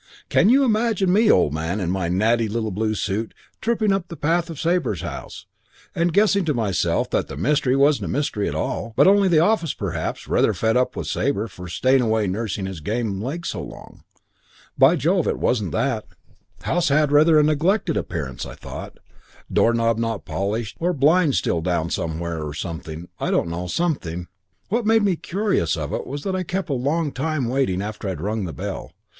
"You can imagine me, old man, in my natty little blue suit, tripping up the path of Sabre's house and guessing to myself that the mystery wasn't a mystery at all, but only the office perhaps rather fed up with Sabre for staying away nursing his game leg so long. By Jove, it wasn't that. House had rather a neglected appearance, I thought. Door knob not polished, or blinds still down somewhere or something. I don't know. Something. And what made me conscious of it was that I was kept a long time waiting after I'd rung the bell.